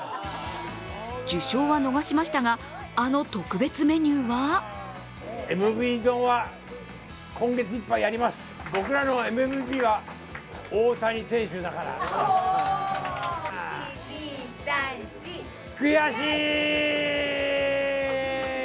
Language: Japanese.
受賞は逃しましたがあの特別メニューは悔しい！